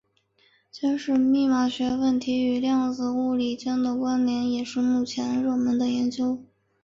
检视密码学问题与量子物理间的关连也是目前热门的研究。